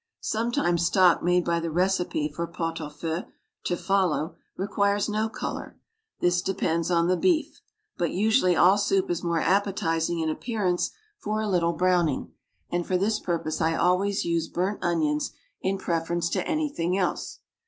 Sometimes stock made by the recipe for pot au feu (to follow) requires no color; this depends on the beef; but usually all soup is more appetizing in appearance for a little browning, and for this purpose I always use burnt onions in preference to anything else.